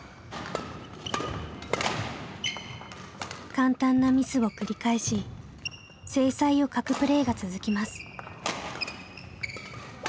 簡単なミスを繰り返し精彩を欠くプレーが続きます。